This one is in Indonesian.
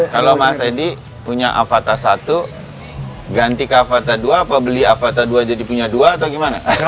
kalau mas eddy punya avato satu ganti ke avato dua apa beli avato dua jadi punya dua atau gimana